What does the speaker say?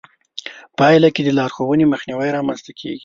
پايله کې د لارښوونې مخنيوی رامنځته کېږي.